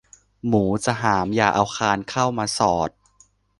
หมูจะหามอย่าเอาคานเข้ามาสอด